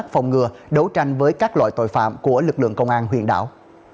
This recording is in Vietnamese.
phòng ngừa đấu tranh với các loại tội phạm của lực lượng công an huyện đảo